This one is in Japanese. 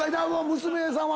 娘さんは。